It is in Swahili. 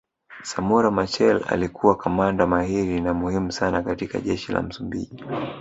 Samora Machel alikuwa kamanda mahiri na muhimu sana katika jeshi la Msumbiji